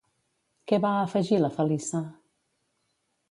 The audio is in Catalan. Què va afegir la Feliça?